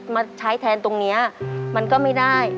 มาใช้แทนตรงนี้มันก็ไม่ได้